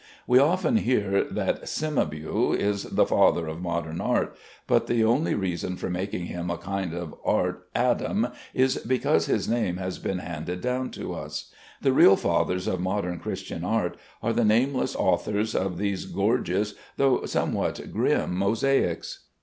We often hear that Cimabue is the father of modern art, but the only reason for making him a kind of art Adam is because his name has been handed down to us. The real fathers of modern Christian art are the nameless authors of these gorgeous though somewhat grim mosaics.